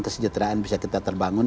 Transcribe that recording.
kesejahteraan bisa kita terbangun